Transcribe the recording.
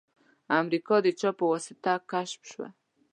امریکا د چا په واسطه کشف شوه؟